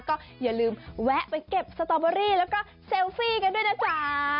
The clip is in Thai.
ก็อย่าลืมแวะไปเก็บสตอเบอรี่แล้วก็เซลฟี่กันด้วยนะจ๊ะ